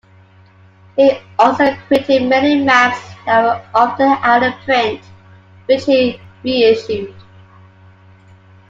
He also printed many maps that were often out of print, which he reissued.